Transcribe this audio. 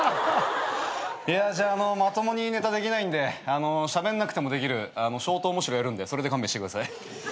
いやじゃあもうまともにネタできないんでしゃべんなくてもできるショート面白やるんでそれで勘弁してください。